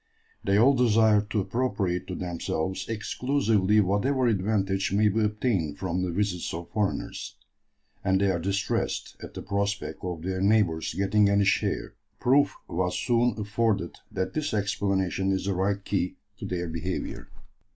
"They all desire to appropriate to themselves exclusively whatever advantage may be obtained from the visits of foreigners, and they are distressed at the prospect of their neighbours getting any share." Proof was soon afforded that this explanation is the right key to their behaviour.